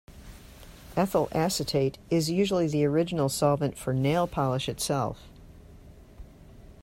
Ethyl acetate is usually the original solvent for nail polish itself.